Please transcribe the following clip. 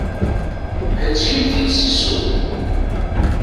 Hettken-t-id si ssuq.